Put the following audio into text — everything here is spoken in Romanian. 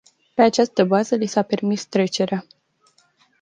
Pe această bază li s-a permis trecerea.